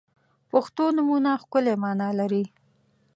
• پښتو نومونه ښکلی معنا لري.